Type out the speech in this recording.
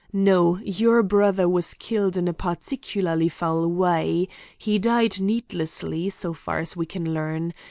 No; your brother was killed in a particularly foul way. He died needlessly, so far as we can learn.